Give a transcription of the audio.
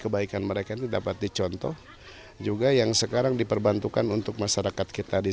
kebaikan mereka tidak berdicontoh juga yang sekarang diperbantukan untuk masyarakat kita di